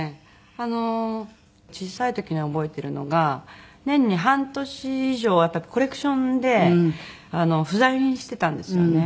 あの小さい時に覚えてるのが年に半年以上はやっぱりコレクションで不在にしてたんですよね。